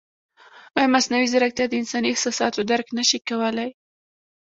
ایا مصنوعي ځیرکتیا د انساني احساساتو درک نه شي کولی؟